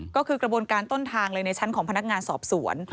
ก็คือกระบวนการต้นทางเลยในชั้นของพนักงานสอบสวน